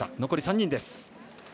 残り３人です。